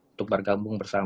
untuk bergabung bersama